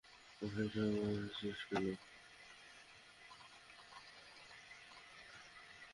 এইভাবে হাসছিস কেনো?